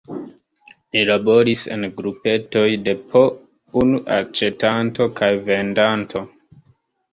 Ni laboris en grupetoj de po unu aĉetanto kaj vendanto.